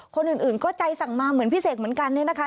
คนอื่นก็ใจสั่งมาเหมือนพี่เสกเหมือนกันเนี่ยนะคะ